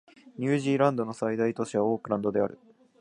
ニュージーランドの最大都市はオークランドである